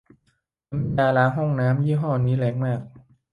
น้ำยาล้างห้องน้ำยี่ห้อนี้แรงมาก